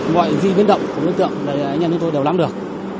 gọi gì biến động của đối tượng là nhân dân tôi đều lắm được